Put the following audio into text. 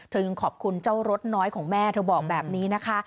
ยังขอบคุณเจ้ารถน้อยของแม่เธอบอกแบบนี้นะคะ